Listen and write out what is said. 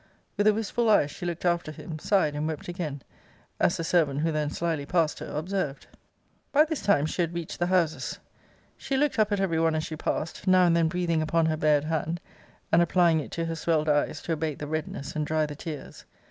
With a wistful eye she looked after him; sighed and wept again; as the servant who then slyly passed her, observed. 'By this time she had reached the houses. She looked up at every one as she passed; now and then breathing upon her bared hand, and applying it to her swelled eyes, to abate the redness, and dry the tears.